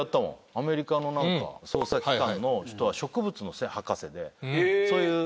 アメリカの捜査機関の人は植物の博士でそういう何か。